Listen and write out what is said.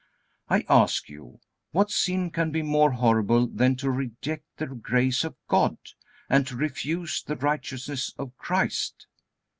I ask you, what sin can be more horrible than to reject the grace of God, and to refuse the righteousness of Christ?